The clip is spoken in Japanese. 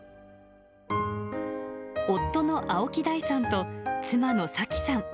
夫の青木大さんと妻の幸さん。